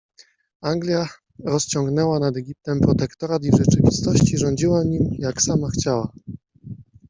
Anglia rociągnęła nad Egiptem protektorat i w rzeczywistości rządziła nim, jak sama chciała.